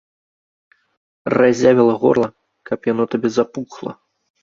Разявіла горла, каб яно табе запухла!